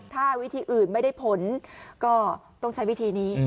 ถ้าวิธีอื่นไม่ได้ผลก็ต้องใช้วิธีนี้